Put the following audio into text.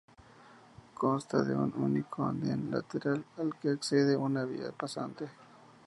Consta de un único anden lateral al que accede una vía pasante.